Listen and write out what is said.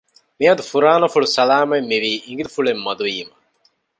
މިއަދު ފުރާނަފުޅު ސަލާމަތް މިވީ އިނގިލިފުޅެއް މަދު ވީމަ